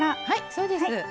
はいそうです。